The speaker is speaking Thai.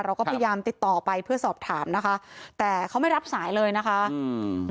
เราก็พยายามติดต่อไปเพื่อสอบถามนะคะแต่เขาไม่รับสายเลยนะคะอืม